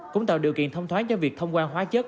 cũng tạo điều kiện thông thoáng cho việc thông quan hóa chất